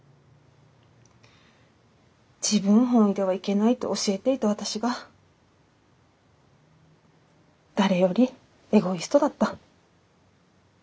自分本位ではいけないと教えていた私が誰よりエゴイストだった。